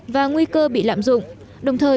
và nguy cơ bị lạm dụng đồng thời